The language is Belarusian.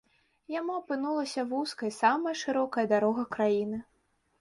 Яму апынулася вузкай самая шырокая дарога краіны.